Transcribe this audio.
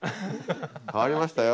変わりましたよ